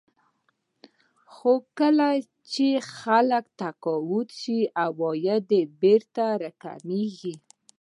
خو کله چې خلک تقاعد شي عواید بېرته راکمېږي